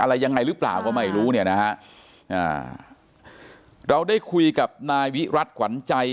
อะไรยังไงหรือเปล่าก็ไม่รู้เนี่ยนะฮะอ่าเราได้คุยกับนายวิรัติขวัญใจ